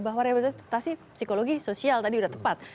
bahwa rehabilitasi psikologi sosial tadi sudah tepat